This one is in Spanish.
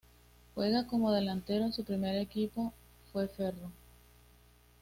Juega como delantero y su primer equipo fue Ferro.